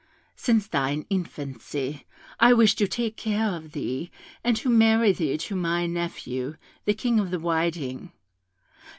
Since thine infancy I wished to take care of thee, and to marry thee to my nephew, the King of the Whiting.